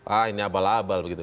ah ini abal abal begitu